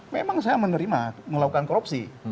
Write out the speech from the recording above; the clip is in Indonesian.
memang saya menerima melakukan korupsi